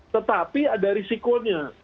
tetapi ada risikonya